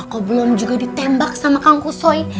aku belum juga ditembak sama kang kusoi